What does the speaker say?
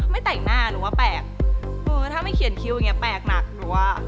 ไม่แต่งหน้าหรือว่าแปลกถ้าไม่เขียนคิวอย่างนี้แปลกหนักหรือว่า